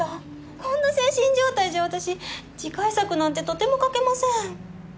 こんな精神状態じゃ私次回作なんてとても描けません。